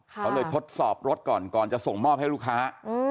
เขาเลยทดสอบรถก่อนก่อนจะส่งมอบให้ลูกค้า